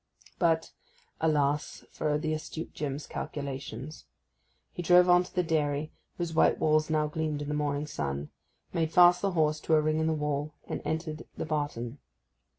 But, alas for the astute Jim's calculations! He drove on to the dairy, whose white walls now gleamed in the morning sun; made fast the horse to a ring in the wall, and entered the barton.